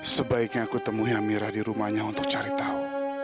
sebaiknya aku temui hamirah di rumahnya untuk cari tahu